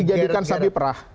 dijadikan sabi perah